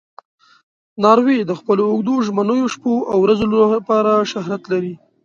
ناروی د خپلو اوږدو ژمنیو شپو او ورځو لپاره شهرت لري.